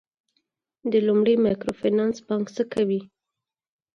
د لومړي مایکرو فینانس بانک څه کوي؟